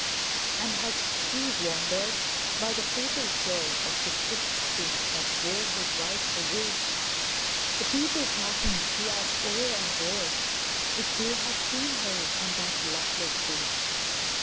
And as he wandered by the fatal shore Of the swift stream that bore his wife away, The people passing he asked o'er and o'er, If they had seen her on that luckless day.